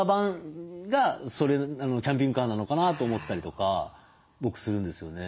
キャンピングカーなのかなと思ってたりとか僕するんですよね。